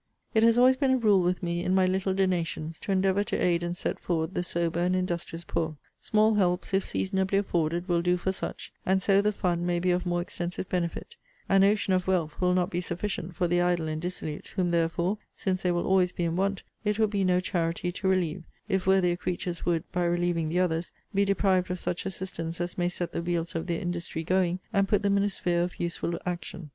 It has always been a rule with me, in my little donations, to endeavour to aid and set forward the sober and industrious poor. Small helps, if seasonably afforded, will do for such; and so the fund may be of more extensive benefit; an ocean of wealth will not be sufficient for the idle and dissolute: whom, therefore, since they will always be in want, it will be no charity to relieve, if worthier creatures would, by relieving the others, be deprived of such assistance as may set the wheels of their industry going, and put them in a sphere of useful action.